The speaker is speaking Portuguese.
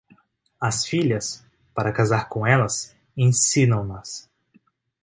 As filhas, para casar com elas, ensinam-nas.